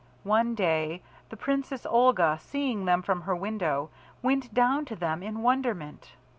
One day the Princess Olga, seeing them from her window, went down to them in wonderment.